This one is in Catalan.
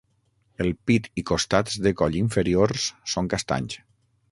El pit i costats de coll inferiors són castanys.